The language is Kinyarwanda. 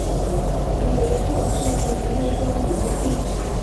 nizeye ko ufite ubushobozi bwo gukora igikwiye